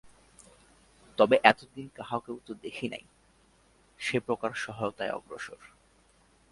তবে এতদিন কাহাকেও তো দেখি নাই, সে প্রকার সহায়তায় অগ্রসর।